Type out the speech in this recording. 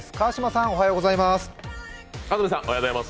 安住さんおはようございます。